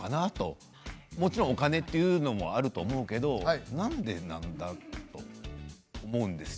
もちろんお金というのもあるけど何でなんだろうと思うんです。